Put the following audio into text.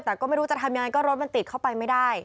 แต่ก็ไม่รู้จะทำยังไงก็รถมันติดเข้าไปไม่ได้